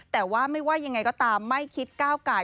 แต่ว่าไม่ว่ายังไงก็ตามไม่คิดก้าวไก่